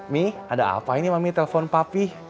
mi ada apa ini mami telpon papih